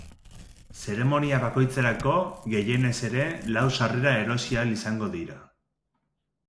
Zeremonia bakoitzerako, gehienez ere, lau sarrera erosi ahal izango dira.